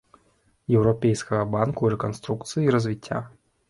Еўрапейскага банку рэканструкцыі і развіцця.